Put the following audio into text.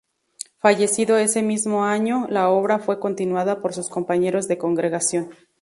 Fallecido ese mismo año, la obra fue continuada por sus compañeros de congregación.